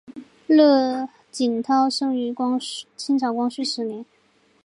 乐景涛生于清朝光绪十年。